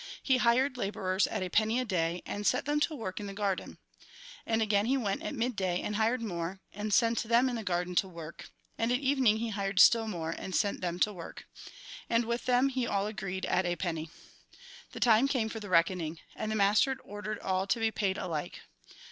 He hired labourers at a penny a day, and set them to work in the garden. And he again went at mid day and hired more, and sent them into the garden to work ; and at evening he hired still more, and sent them to work. And with them all he agreed at a penny. The time came for the reckoning. And the master ordered all to be paid alike.